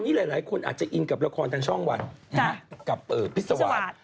เหล่านี้หลายคนอาจจะอิงกับละครทางช่องวันพิสวาส